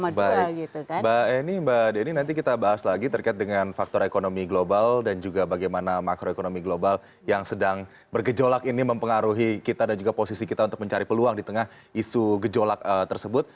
baik mbak eni mbak deni nanti kita bahas lagi terkait dengan faktor ekonomi global dan juga bagaimana makroekonomi global yang sedang bergejolak ini mempengaruhi kita dan juga posisi kita untuk mencari peluang di tengah isu gejolak tersebut